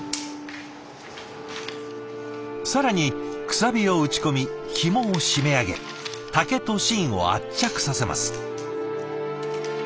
更にくさびを打ち込みひもを締め上げ竹と芯を圧着させます。